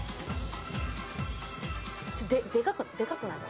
でかくでかくないかな？